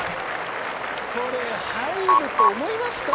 これ入ると思いますか！？